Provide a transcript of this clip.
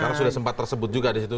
karena sudah sempat tersebut juga disitu